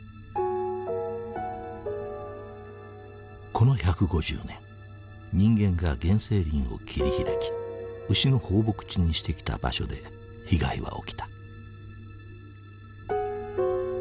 この１５０年人間が原生林を切り開き牛の放牧地にしてきた場所で被害は起きた。